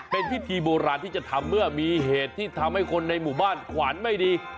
เป็นพิธีโบราณที่จะทำเมื่อมีเหตุที่ทำให้คนในหมู่บ้านขวานไม่ดี